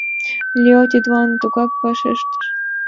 Лео тидлан тугак вашештыш.